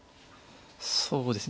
そうですね